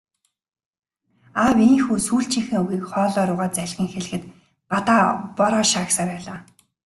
Аав ийнхүү сүүлчийнхээ үгийг хоолой руугаа залгин хэлэхэд гадаа бороо шаагьсаар байлаа.